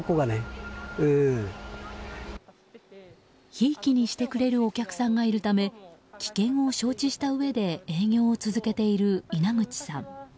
ひいきにしてくれるお客さんがいるため危険を承知したうえで営業を続けている稲口さん。